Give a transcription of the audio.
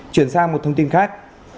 chuyển sang một thông tin khác